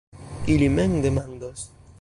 Ili mem demandos.